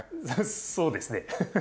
そうですね。